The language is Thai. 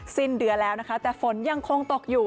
สิ้นเดือนแล้วนะคะแต่ฝนยังคงตกอยู่